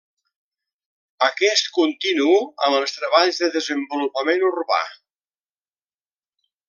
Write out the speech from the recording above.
Aquest continu amb els treballs de desenvolupament urbà.